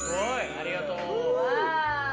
ありがとう！